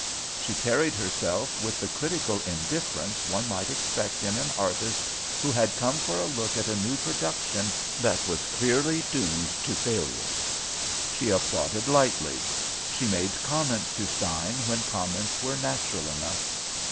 She carried herself with the critical indifference one might expect in an artist who had come for a look at a new production that was clearly doomed to failure. She applauded lightly. She made comments to Stein when comments were natural enough.